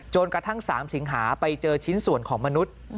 กระทั่ง๓สิงหาไปเจอชิ้นส่วนของมนุษย์